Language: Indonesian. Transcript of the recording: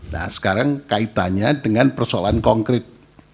nah sekarang kaitannya dengan persoalan konkret